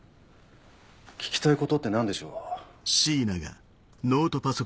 聞きたいことって何でしょう？